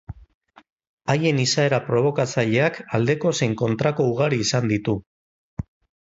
Haien izaera probokatzaileak aldeko zein kontrako ugari izan ditu.